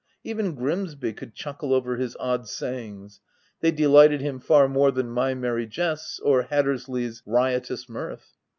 Even Grimsby could chuckle over his odd sayings : they de lighted him far more than my merry jests or Hattersley's riotous mirth.